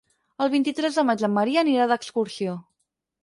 El vint-i-tres de maig en Maria anirà d'excursió.